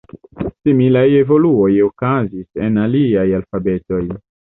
Similaj evoluoj okazis en aliaj alfabetoj.